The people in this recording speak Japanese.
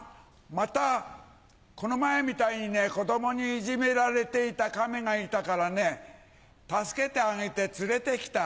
またこの前みたいにね子供にいじめられていた亀がいたからね助けてあげて連れて来た。